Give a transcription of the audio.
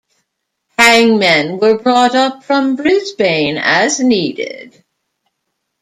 Hangmen were brought up from Brisbane as needed.